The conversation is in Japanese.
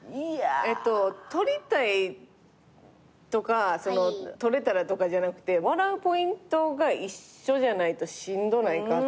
えっと取りたいとか取れたらとかじゃなくて笑うポイントが一緒じゃないとしんどないかっていう。